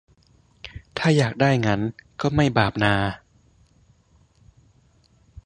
ถ้าอยากได้งั้น ก็ไม่บาปนา